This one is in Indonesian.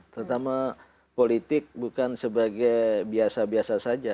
terutama politik bukan sebagai biasa biasa saja